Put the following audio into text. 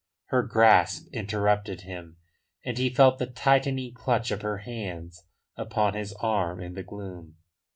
Her grasp interrupted him, and he felt the tightening clutch of her hands upon his arm in the gloom.